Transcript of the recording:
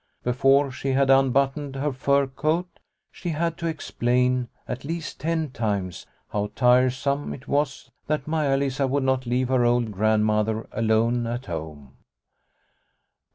Before she had unbuttoned her fur coat she had to explain, at least ten times, how tiresome it was that Maia Lisa would not leave her old Grandmother alone at home.